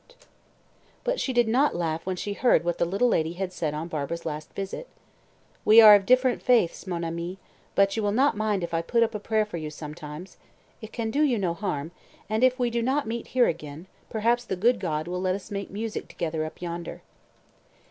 _" But she did not laugh when she heard what the little lady had said on Barbara's last visit. "We are of different faiths, mon amie, but you will not mind if I put up a prayer for you sometimes. It can do you no harm, and if we do not meet here again, perhaps the good God will let us make music together up yonder."